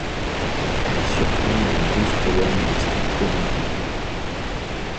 Elles surplombent les douze colonnes de style corinthien.